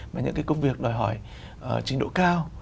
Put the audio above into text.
mà những công việc đòi hỏi trình độ cao